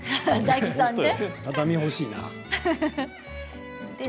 畳が欲しいな。